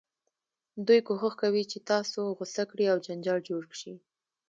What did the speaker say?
دوی کوښښ کوي چې تاسو غوسه کړي او جنجال جوړ شي.